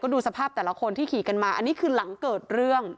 ดูสภาพแต่ละคนที่ขี่กันมาอันนี้คือหลังเกิดเรื่อง